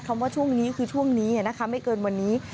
ว่าช่วงนี้คือช่วงนี้นะคะไม่เกินวันนี้